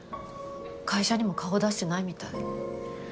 会社にも顔を出してないみたい。